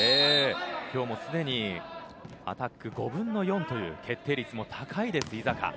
今日もすでにアタック５分の４という決定率も高いです井坂。